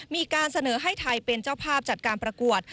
มีการเสนอให้ไทยเป็นเจ้าภาพจัดการประกวด